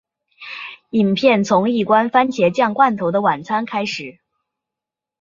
影片从一罐蕃茄酱罐头的晚餐开始。